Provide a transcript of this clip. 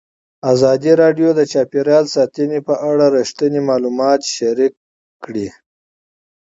ازادي راډیو د چاپیریال ساتنه په اړه رښتیني معلومات شریک کړي.